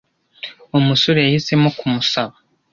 Umusore yahisemo kumusaba.